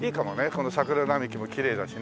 この桜並木もきれいだしね。